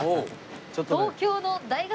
「東京の大学いも」